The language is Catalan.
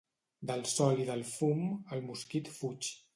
Del sol i del fum, el mosquit fuig.